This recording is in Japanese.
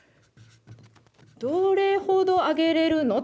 どれほど上げれるの？